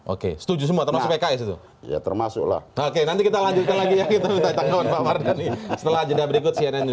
oke setuju semua termasuk ya termasuklah oke nanti kita lanjutkan lagi setelah berikutnya